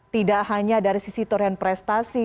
tidak hanya dari sisi torian prestasi